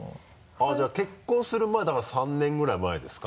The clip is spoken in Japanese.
あぁじゃあ結婚する前だから３年ぐらい前ですか？